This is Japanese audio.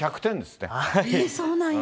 そうなんや。